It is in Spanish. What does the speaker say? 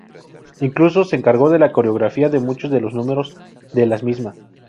Incluso se encargó de la coreografía de muchos de los números de las mismas.